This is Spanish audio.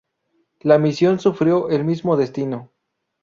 La misión sufrió el mismo destino.